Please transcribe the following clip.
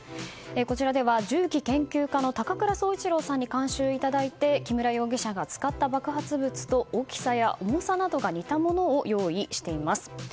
こちらでは銃器研究家の高倉総一郎さんに監修いただいて木村容疑者が使った爆発物の大きさや重さなどが似たものを用意しています。